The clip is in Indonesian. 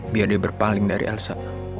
biar dia berpaling dari elsa